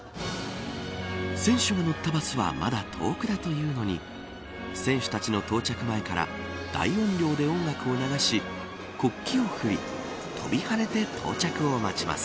選手が乗ったバスはまだ遠くだというのに選手たちの到着前から大音量で音楽を流し国旗を振り跳びはねて到着を待ちます。